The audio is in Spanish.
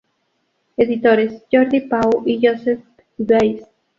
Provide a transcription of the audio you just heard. Editores: Jordi Pau y Josep Vives.